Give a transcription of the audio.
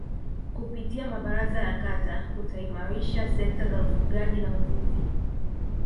kupitia mabaraza ya Kata kutaimarisha sekta za ufugaji na uvuvi